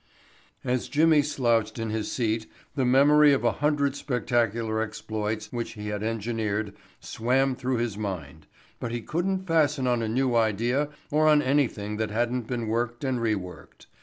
As Jimmy slouched in his seat the memory of a hundred spectacular exploits which he had engineered swam through his mind, but he couldn't fasten on a new idea or on anything that hadn't been worked and re worked.